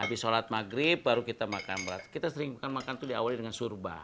habis sholat maghrib baru kita makan berat kita sering makan itu diawali dengan surba